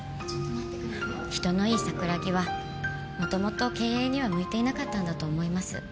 人のいい桜木は元々経営には向いていなかったんだと思います。